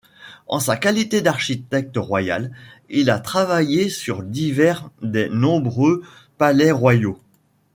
En sa qualité d'architecte royal, il a travaillé sur divers des nombreux palais royaux.